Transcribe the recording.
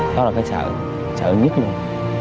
đó là cái sợ sợ nhất luôn